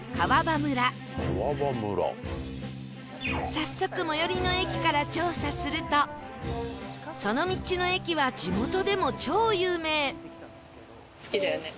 早速最寄りの駅から調査するとその道の駅は地元でも超有名